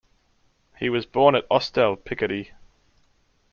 He was born at Ostel, Picardy.